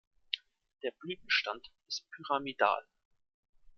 Der Blütenstand ist pyramidal.